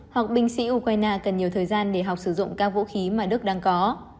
học binh sĩ ukraine cần nhiều thời gian để học sử dụng các vũ khí mà đức đang có